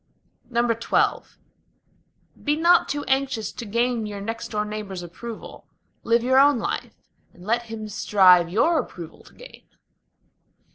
XII Be not too anxious to gain your next door neighbor's approval: Live your own life, and let him strive your approval to gain.